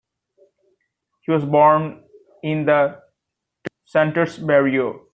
He was born in the Santurce barrio.